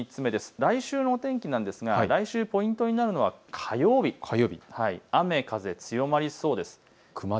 来週のお天気なんですが来週ポイントになるのは火曜日、雨風強まりそうです。